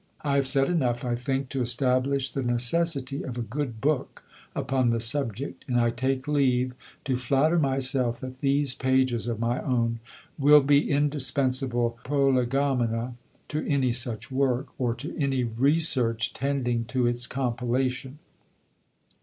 I have said enough, I think, to establish the necessity of a good book upon the subject, and I take leave to flatter myself that these pages of my own will be indispensable Prolegomena to any such work, or to any research tending to its compilation.